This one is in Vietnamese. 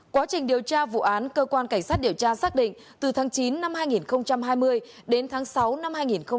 quá trình điều tra vụ án cơ quan cảnh sát điều tra xác định từ tháng chín năm hai nghìn hai mươi đến tháng sáu năm hai nghìn hai mươi